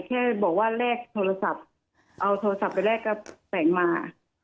แค่บอกว่าแลกโทรศัพท์เอาโทรศัพท์ไปแลกกับแสงมา